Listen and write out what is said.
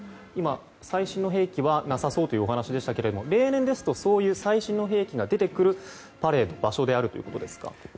最新の兵器はなさそうというお話でしたが例年ですと、そういう最新兵器が出てくる場所であるということですか。